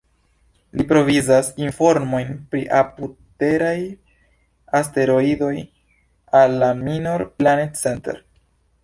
Li provizas informojn pri apud-teraj asteroidoj al la "Minor Planet Center".